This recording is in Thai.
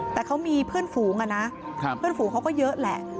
แต่เขามีเพื่อนฝูงอะนะเพื่อนฝูงเขาก็เยอะแหละ